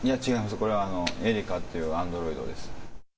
これはエリカっていうアンドロイドです。